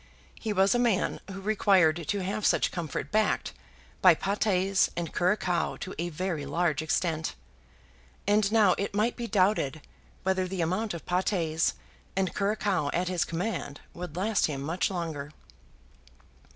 He was a man who required to have such comfort backed by patés and curaçoa to a very large extent, and now it might be doubted whether the amount of patés and curaçoa at his command would last him much longer.